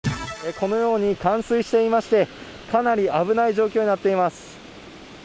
このように、冠水していまして、かなり危ない状況になっています。